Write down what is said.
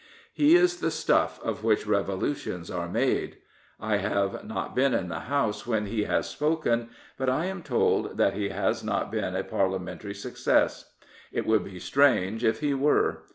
He is the stuff of which revolutions are made. I have not been in the House when he has spoken; but I am told that he has not been a Parliamentary success. It would be strange if he were.